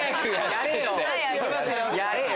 やれよ！